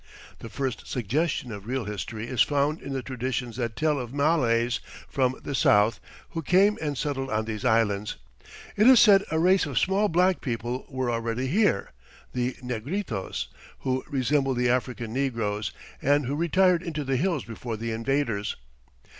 The first suggestion of real history is found in the traditions that tell of Malays from the south who came and settled on these islands. It is said a race of small black people were already here the Negritos who resembled the African negroes, and who retired into the hills before the invaders.